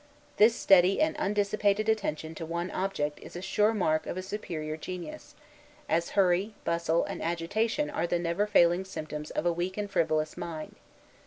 This steady and undissipated attention to one object is a sure mark of a superior genius; as hurry, bustle, and agitation are the never failing symptoms of a weak and frivolous mind.